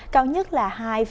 cao nhất là hai năm